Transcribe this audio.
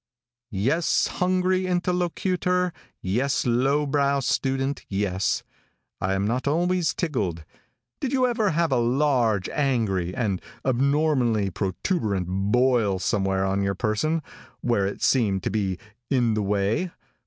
"Yes, hungry interlocutor. Yes, low browed student, yes. I am not always tickled. Did you ever have a large, angry, and abnormally protuberent boil somewhere on your person where it seemed to be in the way?